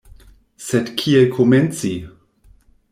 Sed kiel komenci?